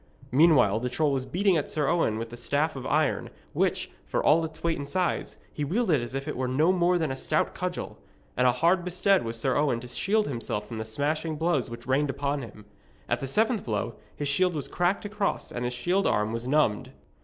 Meanwhile, the troll was beating at Sir Owen with the staff of iron, which, for all its weight and size, he wielded as if it was no more than a stout cudgel. And hard bestead was Sir Owen to shield himself from the smashing blows which rained upon him. At the seventh blow his shield was cracked across and his shield arm was numbed.